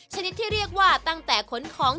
ชนิดที่เรียกว่าตั้งแต่ขนของ